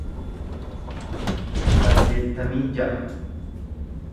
saddeettamii ja'a